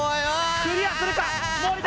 クリアするか！